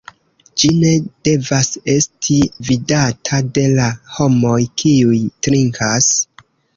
Ĝi ne devas esti vidata de la homoj, kiuj trinkas.